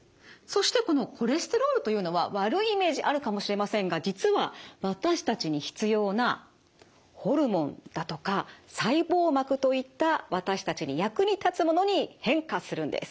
そしてこのコレステロールというのは悪いイメージあるかもしれませんが実は私たちに必要なホルモンだとか細胞膜といった私たちに役に立つものに変化するんです。